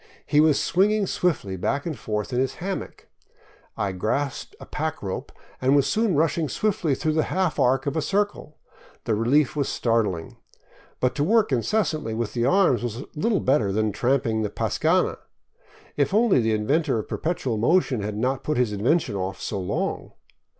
He was swinging swiftly back and forth in his hammock. I grasped a pack rope and was soon rushing swiftly through the half arc of a circle. The relief was startling. But to work incessantly with the arms was little better than tramping the pascana. If only the inventor of perpetual motion had not put his invention off so long.